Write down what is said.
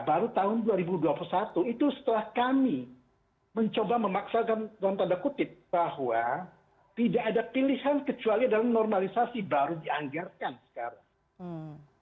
baru tahun dua ribu dua puluh satu itu setelah kami mencoba memaksakan dalam tanda kutip bahwa tidak ada pilihan kecuali dalam normalisasi baru dianggarkan sekarang